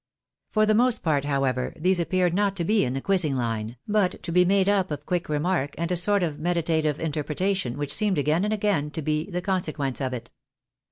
For the most part, however, these appeared not to be in the quizzing line, but to be made up of quick remark and a sort of meditative interpretation, which seemed again and again to be the consequence of it.